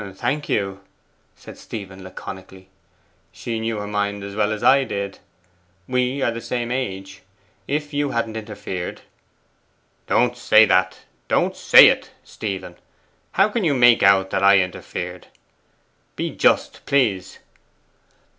'Thank you,' said Stephen laconically. 'She knew her mind as well as I did. We are the same age. If you hadn't interfered ' 'Don't say that don't say it, Stephen! How can you make out that I interfered? Be just, please!